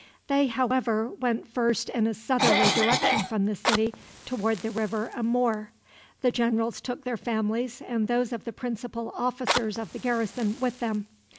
They, however, went first in a southerly direction from the city toward the River Amoor. The generals took their families and those of the principal officers of the garrison with them.